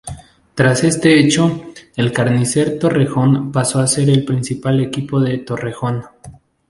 Tras este hecho, el Carnicer Torrejón pasó a ser el principal equipo de Torrejón.